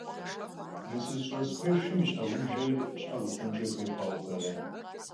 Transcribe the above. Mı sızış'es peşşım yi şheğubjjer şhe khutenç'e xuêy xhuaue p'ere?